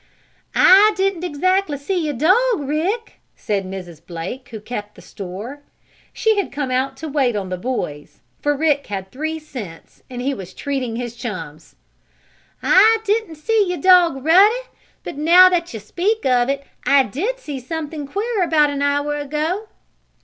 "I didn't exactly see your dog, Rick," said Mrs. Blake, who kept the store. She had come out to wait on the boys, for Rick had three cents and he was treating his chums. "I didn't see your dog Ruddy, but, now that you speak of it, I did see something queer about an hour ago.